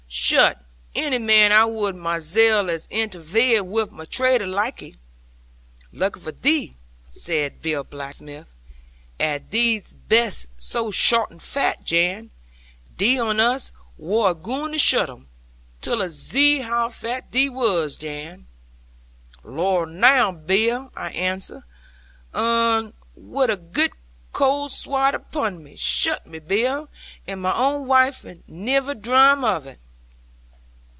Shutt any man I would myzell as intervared wi' my trade laike. "Lucky for thee," said Bill Blacksmith, "as thee bee'st so shart and fat, Jan. Dree on us wor a gooin' to shutt 'ee, till us zeed how fat thee waz, Jan." '"Lor now, Bill!" I answered 'un, wi' a girt cold swat upon me: "shutt me, Bill; and my own waife niver drame of it!"'